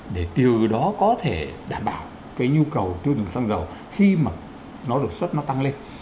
để từ đó có thể đảm bảo cái nhu cầu tiêu dùng xăng dầu khi mà nó đột xuất nó tăng lên